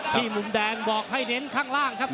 มุมแดงบอกให้เน้นข้างล่างครับ